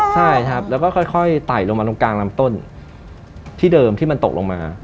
ใช่ครับแล้วก็ค่อยไต่ลงมาตรงกลางลำต้นที่เดิมที่มันตกลงมา